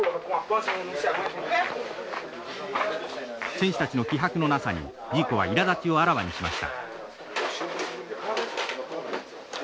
選手たちの気迫のなさにジーコはいらだちをあらわにしました。